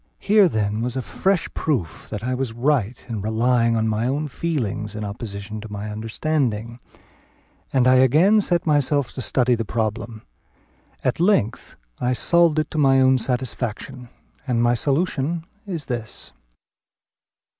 Here, then, was a fresh proof that I was right in relying on my own feeling in opposition to my understanding; and I again set myself to study the problem; at length I solved it to my own satisfaction; and my solution is this.